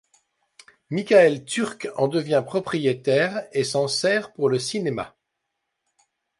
Mickael Turk en devient propriétaire et s'en sert pour le cinéma.